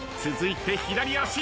続いて左足。